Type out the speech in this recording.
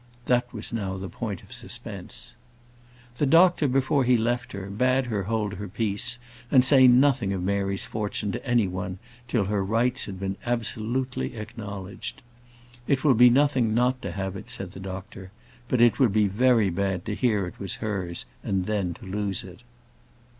That was now the point of suspense. The doctor, before he left her, bade her hold her peace, and say nothing of Mary's fortune to any one till her rights had been absolutely acknowledged. "It will be nothing not to have it," said the doctor; "but it would be very bad to hear it was hers, and then to lose it."